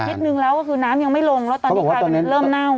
อาทิตย์นึงแล้วคือน้ำยังไม่ลงตอนนี้กำจัดนี่เริ่มเหน้า